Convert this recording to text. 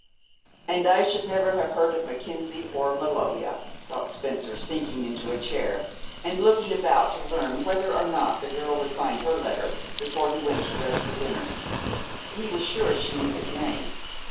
"And I should never have heard of Mackenzie or Maloja," thought Spencer, sinking into a chair and looking about to learn whether or not the girl would find her letter before he went to dress for dinner. He was sure she knew his name.